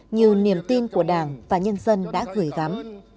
như niềm tin của đảng và nhân dân đã gửi gắm